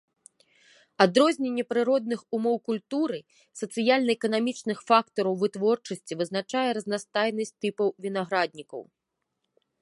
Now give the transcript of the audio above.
Адрозненне прыродных умоў культуры, сацыяльна-эканамічных фактараў вытворчасці вызначае разнастайнасць тыпаў вінаграднікаў.